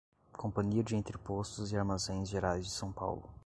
Companhia de Entrepostos e Armazéns Gerais de São Paulo